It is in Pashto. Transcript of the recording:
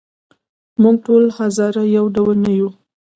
موږ ټول هزاره یو ډول نه یوو.